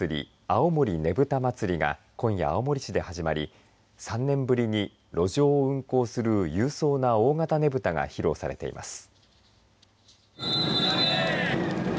青森ねぶた祭が今夜、青森市で始まり３年ぶりに路上を運行する勇壮な大型ねぶたが披露されています。